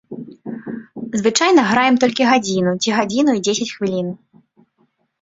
Звычайна граем толькі гадзіну, ці гадзіну і дзесяць хвілін.